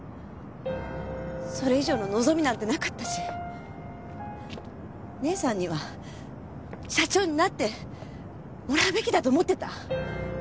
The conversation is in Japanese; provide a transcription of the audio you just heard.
それ以上の望みなんてなかったし姉さんには社長になってもらうべきだと思ってた。